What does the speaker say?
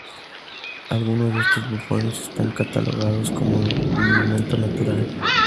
Algunos de estos bufones están catalogados como Monumento Natural